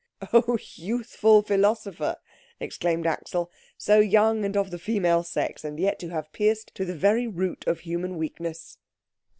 "Oh, youthful philosopher!" exclaimed Axel. "So young, and of the female sex, and yet to have pierced to the very root of human weakness!"